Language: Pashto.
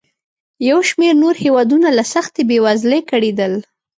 یو شمېر نور هېوادونه له سختې بېوزلۍ کړېدل.